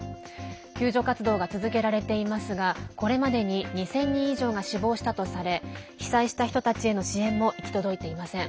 救助活動が続けられていますがこれまでに２０００人以上が死亡したとされ被災した人たちへの支援も行き届いていません。